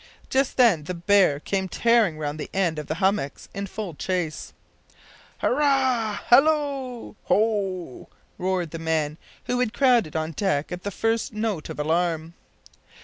Just then the bear came tearing round the end of the hummocks in full chase. "Hurrah! hallo! ho!" roared the men, who had crowded on deck at the first note of alarm.